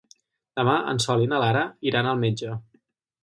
Demà en Sol i na Lara iran al metge.